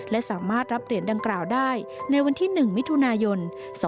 และสามารถรับเหรียญดังกล่าวได้ในวันที่๑มิถุนายน๒๕๖